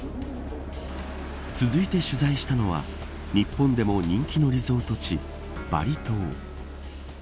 続いて取材したのは日本でも人気のリゾート地バリ島。